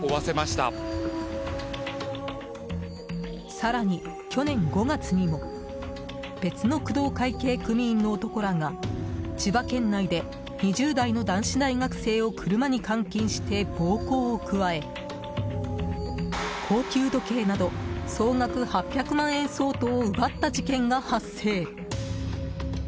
更に、去年５月にも別の工藤会系組員の男らが千葉県内で２０代の男子大学生を車に監禁して暴行を加え高級時計など総額８００万円相当以上を奪った事件が発生。